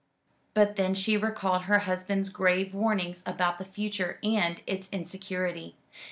But then she recalled her husband's grave warnings about the future and its insecurity.